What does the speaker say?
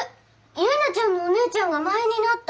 結菜ちゃんのお姉ちゃんが前になった。